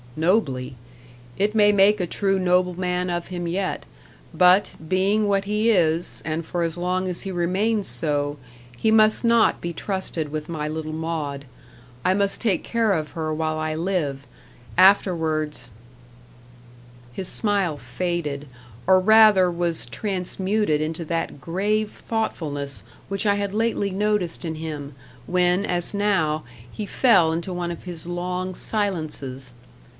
"Nobly. It may make a true nobleman of him yet. But, being what he is, and for as long as he remains so, he must not be trusted with my little Maud. I must take care of her while I live: afterwards " His smile faded, or rather was transmuted into that grave thoughtfulness which I had lately noticed in him, when, as now, he fell into one of his long silences.